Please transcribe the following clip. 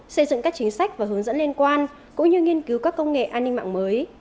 xây dựng các chính sách và hướng dẫn liên quan cũng như nghiên cứu các công nghệ an ninh mạng mới